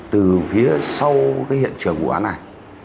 từ phía sau hiện trường vụ án này